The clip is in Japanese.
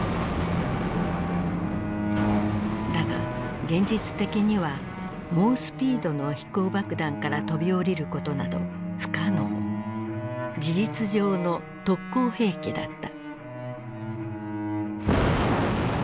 だが現実的には猛スピードの飛行爆弾から飛び降りることなど不可能事実上の特攻兵器だった。